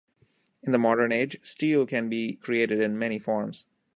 In the modern age, steel can be created in many forms.